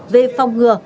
về phòng ngừa